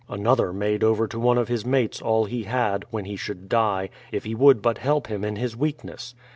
Another made over to one of his mates all he had, when he should die, if he would but help him in his weakness.